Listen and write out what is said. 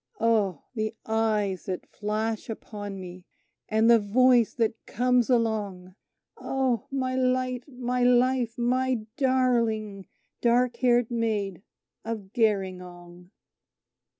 Oh! the eyes that flash upon me, and the voice that comes along Oh! my light, my life, my darling dark haired Maid of Gerringong. ....